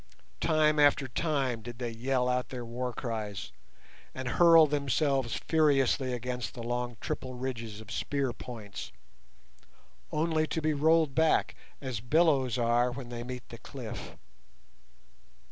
Time after time did they yell out their war cries, and hurl themselves furiously against the long triple ridges of spear points, only to be rolled back as billows are when they meet the cliff.